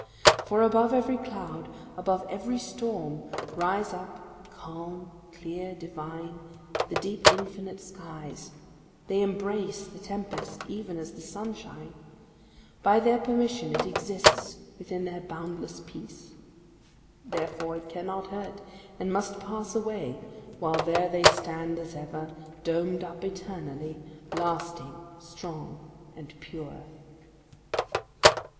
For above every cloud, above every storm, rise up, calm, clear, divine, the deep infinite skies; they embrace the tempest even as the sunshine; by their permission it exists within their boundless peace: therefore it cannot hurt, and must pass away, while there they stand as ever, domed up eternally, lasting, strong, and pure.